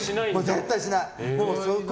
絶対しない。